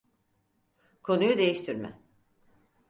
Konuyu değiştirme!